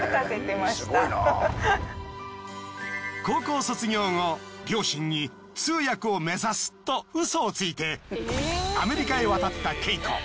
高校卒業後両親に通訳を目指すとウソをついてアメリカへ渡ったＫＥＩＫＯ。